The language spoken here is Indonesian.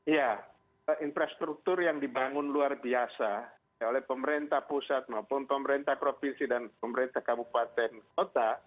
ya infrastruktur yang dibangun luar biasa oleh pemerintah pusat maupun pemerintah provinsi dan pemerintah kabupaten kota